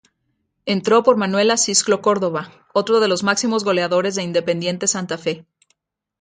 Entró por Manuel Acisclo Córdoba, otro de los máximos goleadores de Independiente Santa Fe.